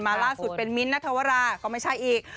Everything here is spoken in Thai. ล่าสุดเป็นมิ้นท์นัทวราก็ไม่ใช่อีก